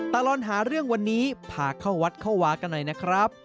ตลอดหาเรื่องวันนี้พาเข้าวัดเข้าวากันหน่อยนะครับ